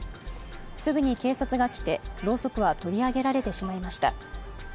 すぐに警察が来て、ろうそくは取り上げられてしまいました。